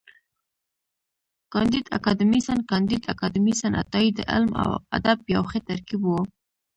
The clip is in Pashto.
کانديد اکاډميسن کانديد اکاډميسن عطایي د علم او ادب یو ښه ترکیب و.